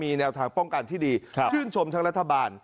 มีแนวทางป้องกันที่ดีชื่นชมทั้งรัฐบาล